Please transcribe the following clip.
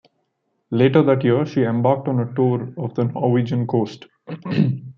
Later that year she embarked on a tour of the Norwegian coast.